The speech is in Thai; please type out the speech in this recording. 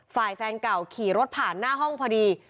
ฝ่ายแฟนเก่าขี่รถผ่านหน้าห้องพอดี